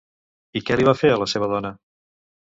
I què li va fer a la seva dona?